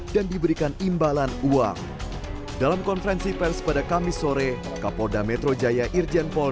dan diberikan imbalan uang dalam konferensi pers pada kamis sore kapolda metro jaya irjenpol